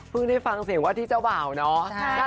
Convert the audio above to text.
เพิ่งได้ฟังเสียงว่าที่เจ้าบ่าวเนาะ